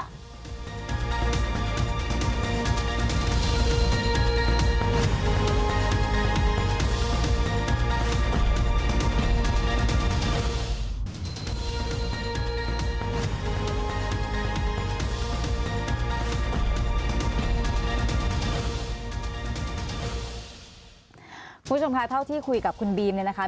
คุณผู้ชมคะเท่าที่คุยกับคุณบีมเนี่ยนะคะ